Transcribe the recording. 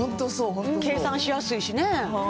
計算しやすいしね。